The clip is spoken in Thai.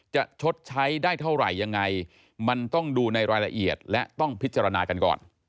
ชดใช้ได้เท่าไหร่ยังไงมันต้องดูในรายละเอียดและต้องพิจารณากันก่อน